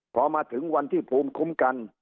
พอมาถึงวันที่ภูมิคุ้มกัน